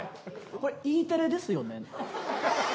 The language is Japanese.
これＥテレですよね？